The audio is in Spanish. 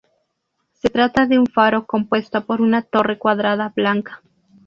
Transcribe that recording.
Se trata de un faro compuesto por una torre cuadrada blanca.